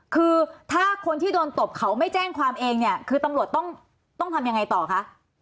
คือถ้าคนที่โดนตบเขาไม่แจ้งความเองเนี่ยคือตำรวจต้องทำยังไงต่อคะ